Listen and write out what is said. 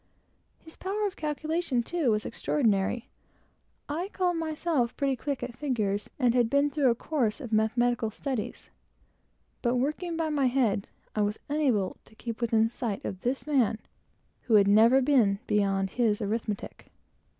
His power of calculation, too, was remarkable. I called myself pretty quick at figures, and had been through a course of mathematical studies; but, working by my head, I was unable to keep within sight of this man, who had never been beyond his arithmetic: so rapid was his calculation.